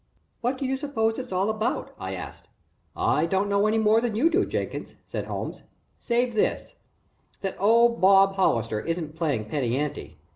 "What do you suppose it's all about?" I asked. "I don't know any more than you do, Jenkins," said Holmes, "save this, that old Bob Hollister isn't playing penny ante.